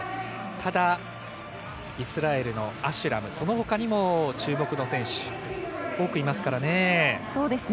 ただイスラエルのアシュラム、その他にも注目の選手、多くいますからね。